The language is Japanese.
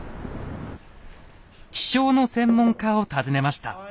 気象の専門家を訪ねました。